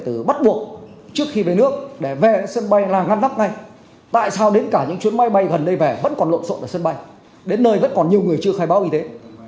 tại sao đến cả những chuyến máy bay gần đây về vẫn còn lộn xộn ở sân bay đến nơi vẫn còn nhiều người chưa khai báo y tế